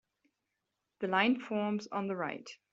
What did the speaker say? The line forms on the right.